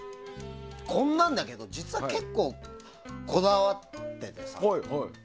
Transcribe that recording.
こんなんだけど実は結構こだわっててさ。